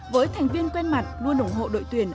với thành viên quen mặt luôn ủng hộ đội tuyển